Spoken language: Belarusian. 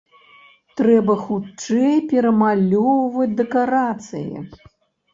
Трэба хутчэй перамалёўваць дэкарацыі.